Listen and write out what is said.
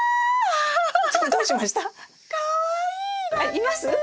います？